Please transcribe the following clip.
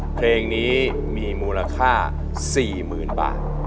เพลงนี้มีมูลค่า๔๐๐๐บาท